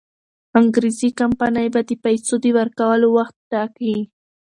انګریزي کمپانۍ به د پیسو د ورکولو وخت ټاکي.